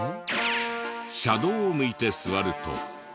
車道を向いて座ると。